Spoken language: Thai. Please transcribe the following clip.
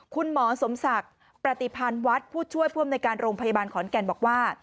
คุณหมอสมศักดิ์ประติพันธ์วัดผู้ช่วยผู้อำนวยการโรงพยาบาลขอนแก่นบอกว่า